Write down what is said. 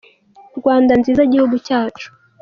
Rwanda nziza Gihugu cyacu